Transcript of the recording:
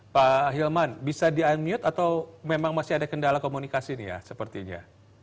pak hilman bisa di unmute atau memang masih ada kendala komunikasi nih ya sepertinya